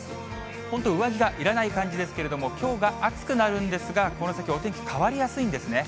本当、上着がいらない感じですけれども、きょうは暑くなるんですが、この先、お天気変わりやすいんですね。